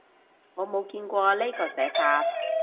我冇見過呢個寫法